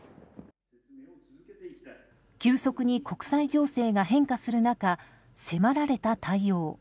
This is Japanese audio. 急速に国際情勢が変化する中迫られた対応。